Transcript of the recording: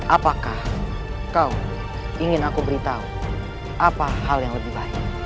apakah kau ingin aku beritahu apa hal yang lebih baik